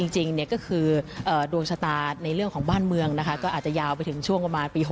จริงก็คือดวงชะตาในเรื่องของบ้านเมืองนะคะก็อาจจะยาวไปถึงช่วงประมาณปี๖๐